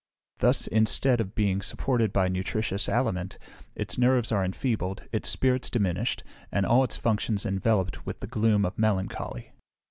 Thus, instead of being supported by nutritious aliment, its nerves are enfeebled, its spirits diminished, and all its functions enveloped with the gloom of melancholy.